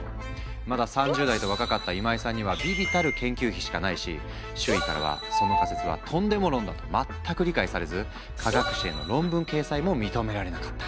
まだ３０代と若かった今井さんには微々たる研究費しかないし周囲からはその仮説はトンデモ論だと全く理解されず科学誌への論文掲載も認められなかった。